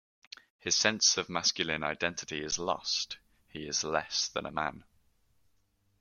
His sense of masculine identity is lost-he is less than a man.